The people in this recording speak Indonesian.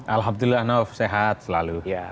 alhamdulillah nof sehat selalu